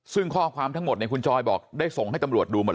ซึ่งข้อความทั้งหมดเนี่ยคุณจอยบอกได้ส่งให้ตำรวจดูหมด